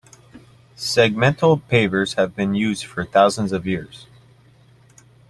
Segmental pavers have been used for thousands of years.